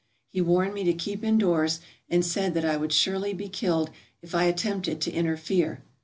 He warned me to keep indoors and said that I would surely be killed if I attempted to interfere.